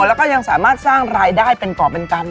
แล้วก็ยังสามารถสร้างรายได้เป็นกรอบเหมือนกัน